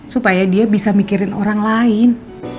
supaya dia bisa mikirin orang lain